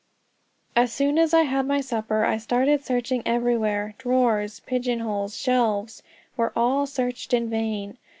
As soon as I had my supper I started searching everywhere. Drawers, pigeonholes, shelves, were all searched in vain.